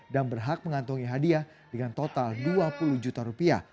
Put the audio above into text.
dan berhak mengantungi hadiah dengan total dua puluh juta rupiah